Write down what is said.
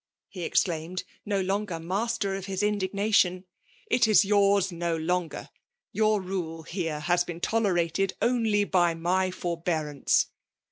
he exclaimed, no longer master of his indignation: ''It is yours no longer; your rule here has been tolerated oidy by my forbearance.